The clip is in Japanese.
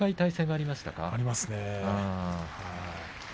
ありますね。